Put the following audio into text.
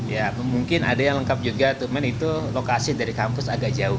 ya mungkin ada yang lengkap juga cuman itu lokasi dari kampus agak jauh